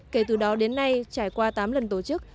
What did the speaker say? kể từ đó đến nay trải qua tám lần tổ chức